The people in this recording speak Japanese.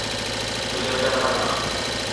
ぐちゃぐちゃなパジャマ